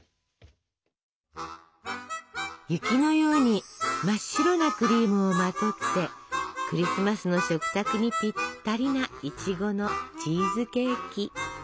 雪のように真っ白なクリームをまとってクリスマスの食卓にぴったりないちごのチーズケーキ。